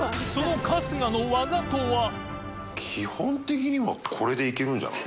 基本的にはこれでいけるんじゃない？